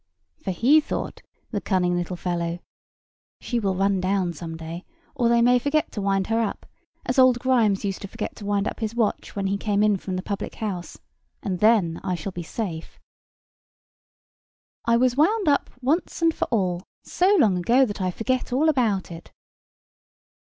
For he thought, the cunning little fellow, "She will run down some day: or they may forget to wind her up, as old Grimes used to forget to wind up his watch when he came in from the public house; and then I shall be safe." "I was wound up once and for all, so long ago, that I forget all about it."